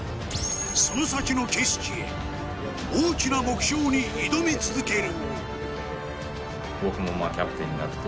その先の景色へ、大きな目標に挑み続ける。